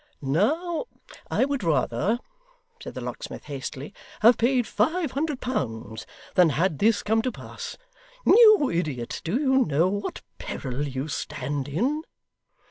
'Now, I would rather,' said the locksmith hastily, 'have paid five hundred pounds, than had this come to pass. You idiot, do you know what peril you stand in?